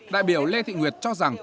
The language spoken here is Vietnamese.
đại biểu lê thị nguyệt cho rằng